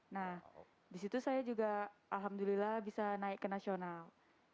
nah disitu saya juga alhamdulillah bisa naik ke nasional